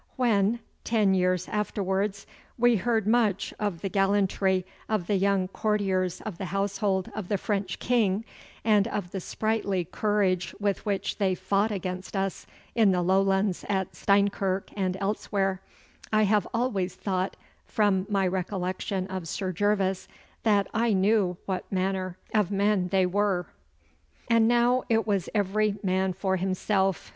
When, ten years afterwards, we heard much of the gallantry of the young courtiers of the household of the French King, and of the sprightly courage with which they fought against us in the Lowlands at Steinkirk and elsewhere, I have always thought, from my recollection of Sir Gervas, that I knew what manner of men they were. And now it was every man for himself.